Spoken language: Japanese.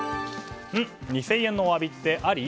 ２０００円のお詫びってあり？